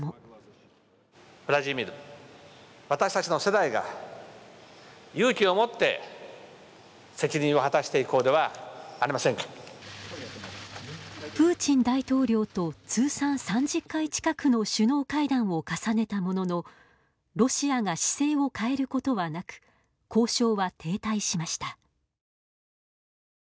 ウラジーミルプーチン大統領と通算３０回近くの首脳会談を重ねたもののロシアが姿勢を変えることはなく交渉は停滞しました。